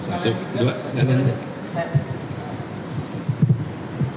satu dua tiga